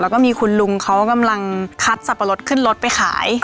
แล้วก็มีคุณลุงเขากำลังคัดสับปะรดขึ้นรถไปขาย